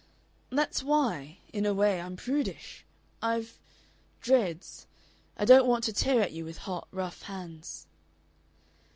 "That's why, in a way, I'm prudish. I've dreads. I don't want to tear at you with hot, rough hands."